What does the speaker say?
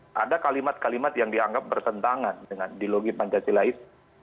soalan ada kalimat kalimat yang dianggap bersentangan dengan ideologi pancasila itu